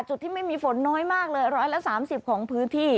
จุดที่ไม่มีฝนน้อยมากเลยร้อยละสามสิบของพื้นที่